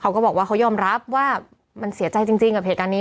เขาก็บอกว่าเขายอมรับว่ามันเสียใจจริงกับเหตุการณ์นี้